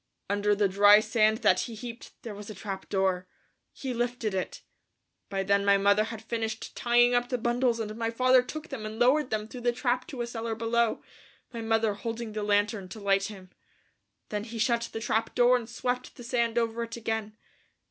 Under the dry sand that he heaped up there was a trap door. He lifted it. By then my mother had finished tying up the bundles and my father took them and lowered them through the trap to a cellar below, my mother holding the lantern to light him. Then he shut the trap door and swept the sand over it again.